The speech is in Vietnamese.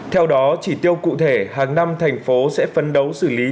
theo đó chỉ tiêu cụ thể hàng năm thành phố sẽ phấn đấu xử lý